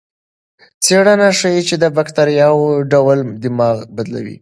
څېړنه ښيي چې د بکتریاوو ډول دماغ بدلوي.